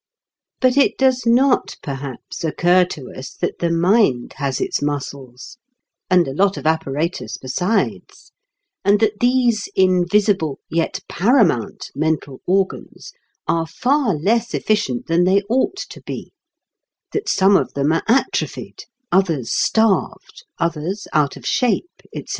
But it does not, perhaps, occur to us that the mind has its muscles, and a lot of apparatus besides, and that these invisible, yet paramount, mental organs are far less efficient than they ought to be; that some of them are atrophied, others starved, others out of shape, etc.